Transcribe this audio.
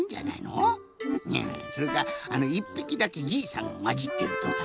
うんそれか１ぴきだけじいさんがまじってるとか。